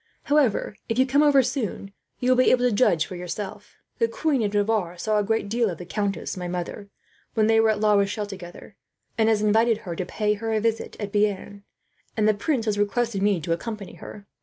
However, if you come over soon, you will be able to judge for yourself. "The Queen of Navarre saw a great deal of the countess, my mother, when they were at La Rochelle together; and has invited her to pay her a visit at Bearn, and the prince has requested me to accompany her.